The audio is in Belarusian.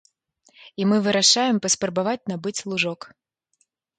І мы вырашаем паспрабаваць набыць лужок.